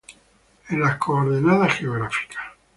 En las coordenadas geográficas